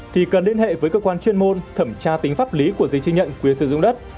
thì cần liên hệ với cơ quan chuyên môn thẩm tra tính pháp lý của giấy chứng nhận quyền sử dụng đất